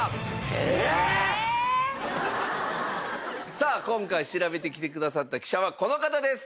さあ今回調べてきてくださった記者はこの方です！